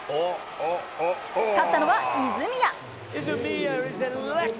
勝ったのは泉谷。